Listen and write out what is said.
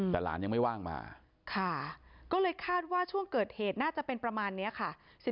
แต่หลานยังไม่ว่างมาค่ะก็เลยคาดว่าช่วงเกิดเหตุน่าจะเป็นประมาณนี้ค่ะ